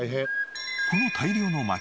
この大量の薪